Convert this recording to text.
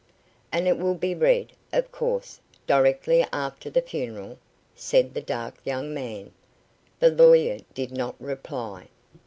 "And it will be read, of course, directly after the funeral?" said the dark young man. The lawyer did not reply.